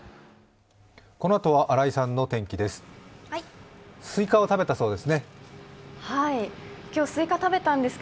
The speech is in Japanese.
このあとは新井さんの天気です。